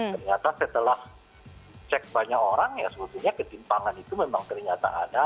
ternyata setelah cek banyak orang ya sebetulnya ketimpangan itu memang ternyata ada